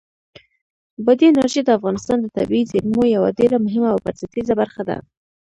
بادي انرژي د افغانستان د طبیعي زیرمو یوه ډېره مهمه او بنسټیزه برخه ده.